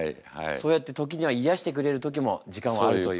そうやって時には癒やしてくれる時も時間はあるという。